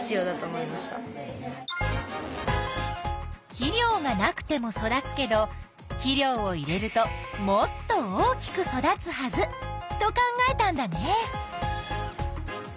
肥料がなくても育つけど肥料を入れるともっと大きく育つはずと考えたんだね。